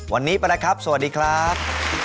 วันนี้ไปแล้วครับสวัสดีครับ